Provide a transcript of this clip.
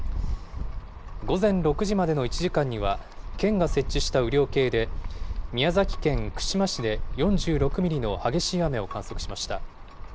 午前６時までの１時間には、県が設置した雨量計で宮崎県串間市で４６ミリの激しい雨を観測しました。